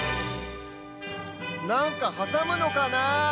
なんかはさむのかなあ？